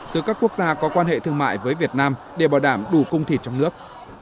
từ các quốc gia có quan hệ thương mại với việt nam để bảo đảm đủ cung thịt trong nước